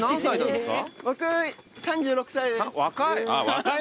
若い！